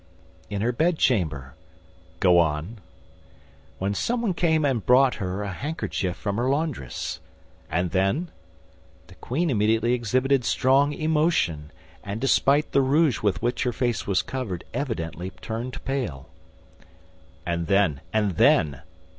"In her bedchamber—" "Go on." "When someone came and brought her a handkerchief from her laundress." "And then?" "The queen immediately exhibited strong emotion; and despite the rouge with which her face was covered evidently turned pale—" "And then, and then?"